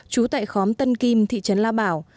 trú tại khóm tân kim thị trấn la bảo